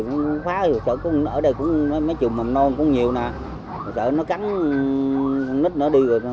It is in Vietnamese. nó khóa rồi sợ ở đây cũng mấy chiều mầm non cũng nhiều nè sợ nó cắn con nít nó đi rồi